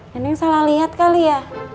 neneng salah liat kali ya